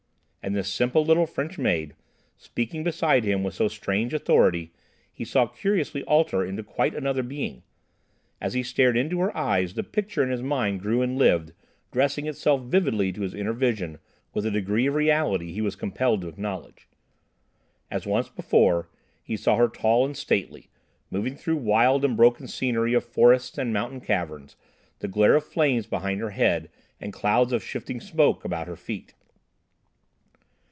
And this simple little French maid, speaking beside him with so strange authority, he saw curiously alter into quite another being. As he stared into her eyes, the picture in his mind grew and lived, dressing itself vividly to his inner vision with a degree of reality he was compelled to acknowledge. As once before, he saw her tall and stately, moving through wild and broken scenery of forests and mountain caverns, the glare of flames behind her head and clouds of shifting smoke about her feet.